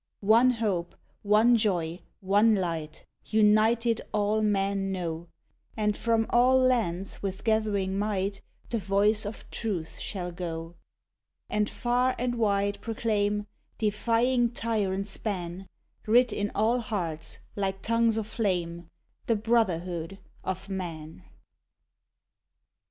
X One hope, one joy, one light, United all men know; And from all lands with gathering might The voice of truth shall go: XI And far and wide proclaim, Defying tyrants' ban, Writ in all hearts, like tongues of flame— The Brotherhood of Man!